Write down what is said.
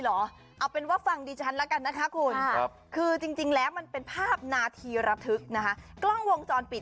เหรอเอาเป็นว่าฟังดิฉันแล้วกันนะคะคุณคือจริงแล้วมันเป็นภาพนาทีระทึกนะคะกล้องวงจรปิด